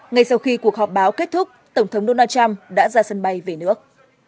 ngay sau khi cuộc họp báo kết thúc tổng thống donald trump đã ra sân bay về nước